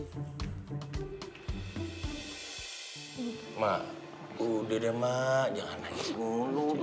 emak udah deh emak jangan nangis mulu udah